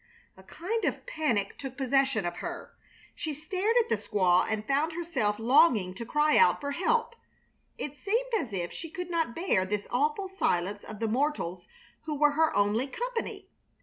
A kind of panic took possession of her. She stared at the squaw and found herself longing to cry out for help. It seemed as if she could not bear this awful silence of the mortals who were her only company.